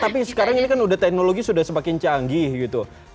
tapi sekarang ini kan udah teknologi sudah semakin canggih gitu